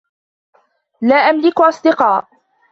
لا أملك أصدقاء.